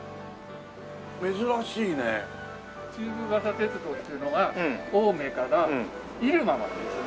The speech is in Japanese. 鉄道っていうのは青梅から入間までですね。